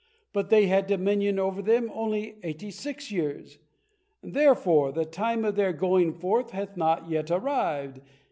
But they had dominion over them only eighty six years, therefore the time of their going forth hath not yet arrived.